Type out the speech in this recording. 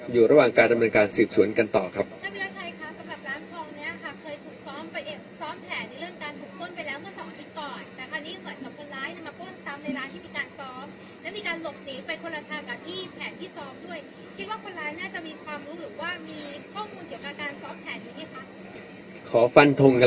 อยู่ระหว่างการดำลังการสืบสวนกันต่อครับท่านพิวชัยครับสำหรับร้านทองเนี้ยค่ะ